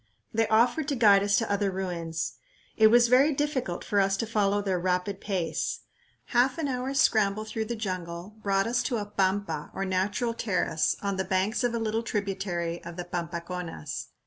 They offered to guide us to other ruins. It was very difficult for us to follow their rapid pace. Half an hour's scramble through the jungle brought us to a pampa or natural terrace on the banks of a little tributary of the Pampaconas.